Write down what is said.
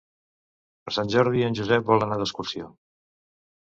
Per Sant Jordi en Josep vol anar d'excursió.